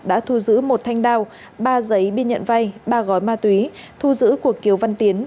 đã thu giữ một thanh đao ba giấy biên nhận vay ba gói ma túy thu giữ của kiều văn tiến